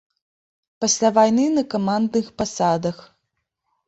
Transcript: Пасля вайны на камандных пасадах.